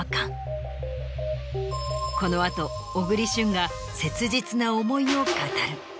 この後小栗旬が切実な思いを語る。